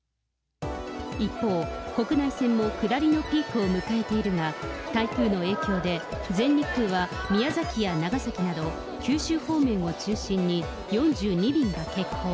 一方、国内線も下りのピークを迎えているが、台風の影響で、全日空は宮崎や長崎など九州方面を中心に４２便が欠航。